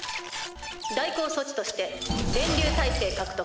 代行措置として電流耐性獲得。